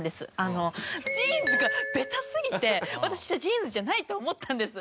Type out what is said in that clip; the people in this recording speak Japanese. ジーンズがベタすぎて私はジーンズじゃないと思ったんです。